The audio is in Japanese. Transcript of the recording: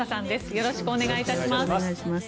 よろしくお願いします。